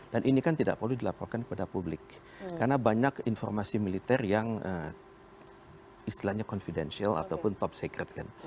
dan ini kan tidak perlu dilaporkan kepada publik karena banyak informasi militer yang istilahnya confidential ataupun top secret